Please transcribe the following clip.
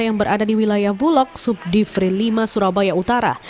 yang berada di wilayah bulog subdivri lima surabaya utara